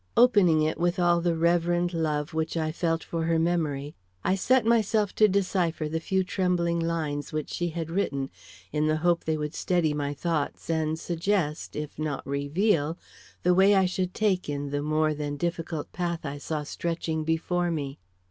Opening it with all the reverent love which I felt for her memory, I set myself to decipher the few trembling lines which she had written, in the hope they would steady my thoughts and suggest, if not reveal, the way I should take in the more than difficult path I saw stretching before me.